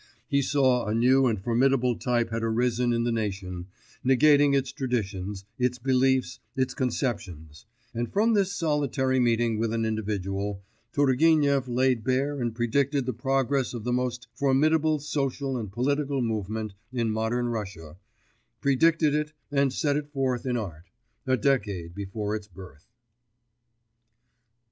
He saw a new and formidable type had arisen in the nation, negating its traditions, its beliefs, its conceptions; and from this solitary meeting with an individual, Turgenev laid bare and predicted the progress of the most formidable social and political movement in modern Russia, predicted it and set it forth in art, a decade before its birth.